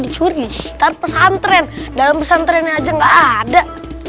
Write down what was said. dicuri sitar pesantren dalam pesantren aja nggak ada